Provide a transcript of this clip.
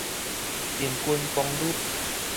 平均功率